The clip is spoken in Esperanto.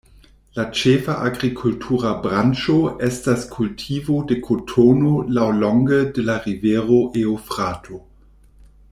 La ĉefa agrikultura branĉo estas kultivo de kotono laŭlonge de la rivero Eŭfrato.